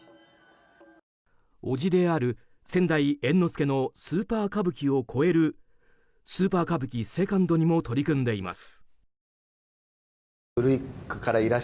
伯父である先代猿之助のスーパー歌舞伎を超えるスーパー歌舞伎セカンドにも取り組んでいます。